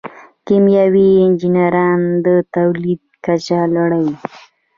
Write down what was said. کیمیاوي انجینران د تولید کچه لوړوي.